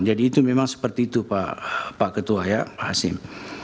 jadi itu memang seperti itu pak ketua ya pak hasim